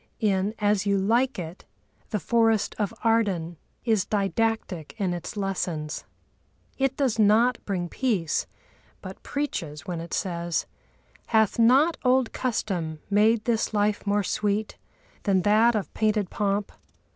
In As You Like It the forest of Arden is didactic in its lessons. It does not bring peace, but preaches, when it says: Hath not old custom made this life more sweet Than that of painted pomp?